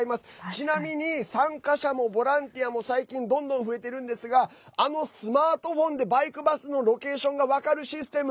ちなみに参加者もボランティアも最近どんどん増えているんですがスマートフォンでバイクバスのロケーションが分かるシステム